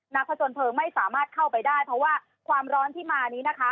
ผจญเพลิงไม่สามารถเข้าไปได้เพราะว่าความร้อนที่มานี้นะคะ